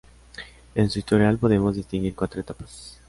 En su historial podemos distinguir cuatro etapas.